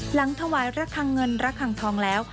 หลังถวายระคังเงินระคังทองแล้ว